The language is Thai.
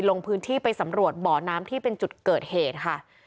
ลงพื้นที่ไปสำรวจบ่อน้ำที่เป็นจุดเกิดเหตุค่ะ